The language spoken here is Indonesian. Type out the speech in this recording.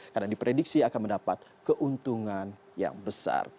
karena diprediksi akan mendapat keuntungan yang besar